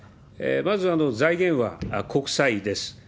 まず、財源は国債です。